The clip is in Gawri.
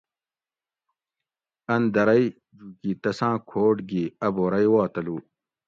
ان درئی جُوکی تساۤں کھوٹ گھی اۤ بورئی وا تلو